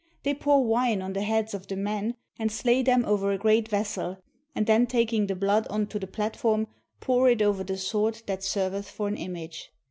They pour wine on the heads of the men, and slay them over a great vessel, and then taking the blood on to the platform, pour it over the sword that serveth for an image.